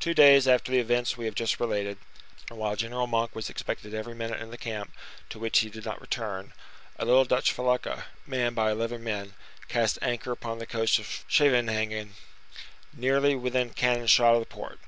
Two days after the events we have just related, and while General Monk was expected every minute in the camp to which he did not return, a little Dutch felucca, manned by eleven men, cast anchor upon the coast of Scheveningen, nearly within cannon shot of the port.